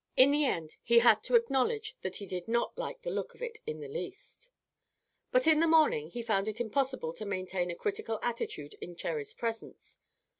In the end he had to acknowledge that he did not like the look of it in the least. But in the morning he found it impossible to maintain a critical attitude in Cherry's presence.